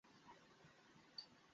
এই সুগন্ধি কিসের?